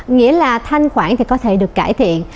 nghĩa là thanh khoản thì có thể được cải thiện